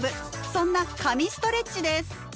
そんな「神ストレッチ」です。